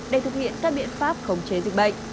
để thực hiện các biện pháp khống chế dịch bệnh